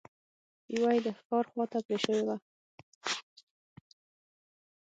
يوه يې د ښار خواته پرې شوې وه.